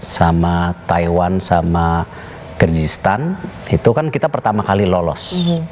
sama taiwan sama krisistan itu kan kita pertama kali lolos